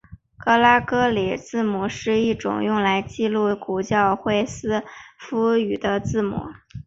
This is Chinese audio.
格拉哥里字母是第一种用来记录古教会斯拉夫语的字母。